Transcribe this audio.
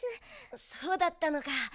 そうだったのか。